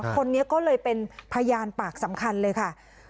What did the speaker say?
คนนี้ก็เลยเป็นพยานปากสำคัญเลยค่ะ